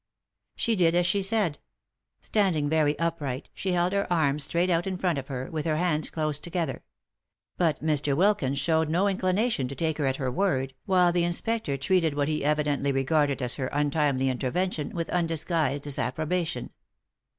She did as she said. Standing very upright, she held her arms out straight in front of her, with her hands close together. But Mr. Wilkins showed no inclination to take her at her word, while the inspector treated what he evidently regarded as her untimely intervention with undisguised disapprobation.